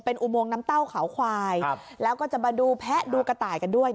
อุโมงน้ำเต้าขาวควายแล้วก็จะมาดูแพะดูกระต่ายกันด้วย